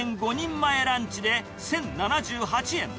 前ランチで１０７８円。